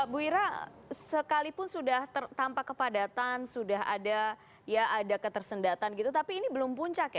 bu ira sekalipun sudah tampak kepadatan sudah ada ya ada ketersendatan gitu tapi ini belum puncak ya